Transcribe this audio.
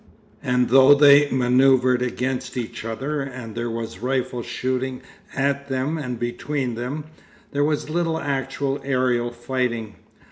And though they manœuvred against each other, and there was rifle shooting at them and between them, there was little actual aerial fighting.